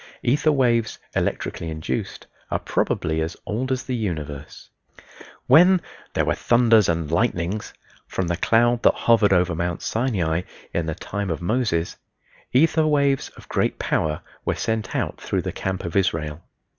Ether waves, electrically induced, are probably as old as the universe. When "there were thunders and lightnings" from the cloud that hovered over Mount Sinai in the time of Moses, ether waves of great power were sent out through the camp of Israel.